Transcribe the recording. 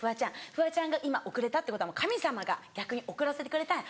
フワちゃんが今遅れたってことは神様が逆に遅らせてくれたんや。